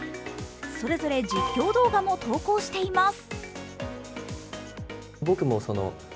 それぞれ実況動画も投稿しています。